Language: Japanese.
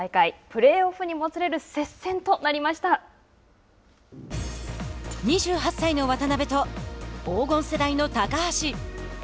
プレーオフにもつれる２８歳の渡邉と黄金世代の高橋。